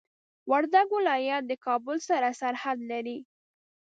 وردګ ولايت د کابل سره سرحد لري.